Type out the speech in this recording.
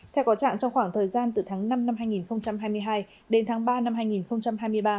theo có trạng trong khoảng thời gian từ tháng năm năm hai nghìn hai mươi hai đến tháng ba năm hai nghìn hai mươi ba